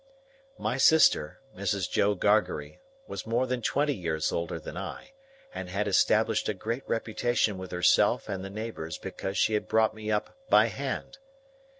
My sister, Mrs. Joe Gargery, was more than twenty years older than I, and had established a great reputation with herself and the neighbours because she had brought me up "by hand."